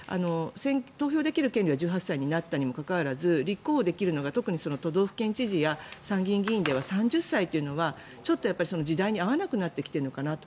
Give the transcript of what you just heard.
投票できる権利は１８歳になったにもかかわらず立候補できるのが特に都道府県知事や参議院議員は３０歳というのはちょっと時代に合わなくなってきているのかなと。